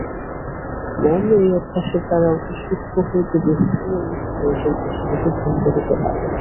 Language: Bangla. মন এই অভ্যাসের দ্বারা অতি সূক্ষ্ম হইতে বৃহত্তম বস্তু পর্যন্ত সহজে ধ্যান করিতে পারে।